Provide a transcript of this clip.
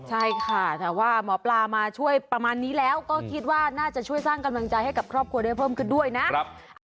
ใช่ค่ะแต่ว่าหมอปลามาช่วยประมาณนี้แล้วก็คิดว่าน่าจะช่วยสร้างกำลังใจให้กับครอบครัวได้เพิ่มขึ้นด้วยนะ